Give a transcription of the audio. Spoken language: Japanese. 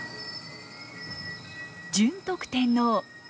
順徳天皇。